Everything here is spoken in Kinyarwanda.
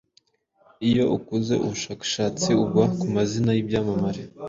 Iyo ukoze ubushakashatsi, ugwa ku mazina y’ibyamamare